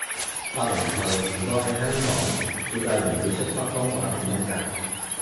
八零後，如果喺香港，照計唔會識北方話拼音㗎